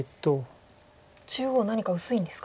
中央何か薄いんですか。